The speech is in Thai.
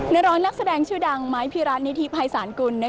นรนักแสดงชื่อดังไมค์พี่รัฐนิธีภัยศาลกุล